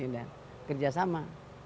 saya sudah bekerja sama